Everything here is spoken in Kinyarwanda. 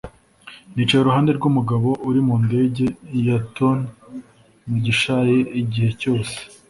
nicaye iruhande rwumugabo uri mu ndege yatonmugishaye igihe cyose